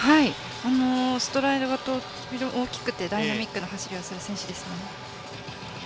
ストライドが大きくてダイナミックな走りをする選手ですね。